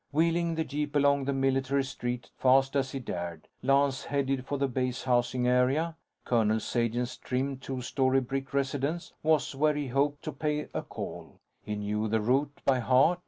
Wheeling the jeep along the military street fast as he dared, Lance headed for the base housing area. Colonel Sagen's trim two story brick residence was where he hoped to pay a call. He knew the route by heart.